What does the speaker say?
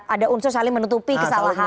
ada unsur saling menutupi kesalahan